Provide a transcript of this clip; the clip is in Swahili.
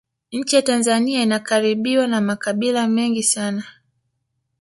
nchi ya tanzania inakabiriwa na makabila mengi sana